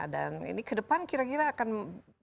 dan ini kedepan kira kira akan mempengaruhi situasi